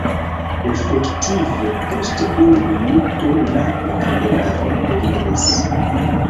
Efektive post unu minuto la vagonaro eliris.